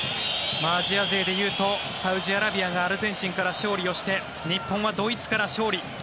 アジア勢で言うとサウジアラビアがアルゼンチンから勝利をして日本はドイツから勝利。